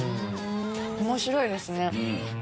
面白いですね。